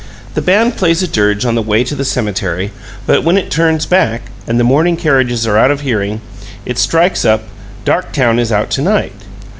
The band plays a dirge on the way to the cemetery, but when it turns back, and the mourning carriages are out of hearing, it strikes up, "Darktown is Out To night."